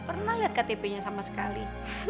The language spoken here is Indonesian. pernah lihat ktp nya sama sekali